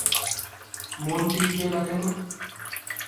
মন টিকবে না কেন?